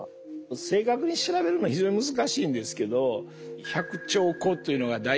正確に調べるの非常に難しいんですけど１００兆個というのが大体今いわれてるところですね。